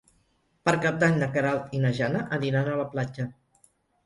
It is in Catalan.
Per Cap d'Any na Queralt i na Jana aniran a la platja.